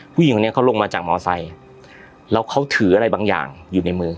ผู้หญิงคนนี้เขาลงมาจากมอไซค์แล้วเขาถืออะไรบางอย่างอยู่ในมือ